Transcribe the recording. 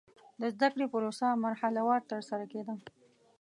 د زده کړې پروسه مرحله وار ترسره کېده.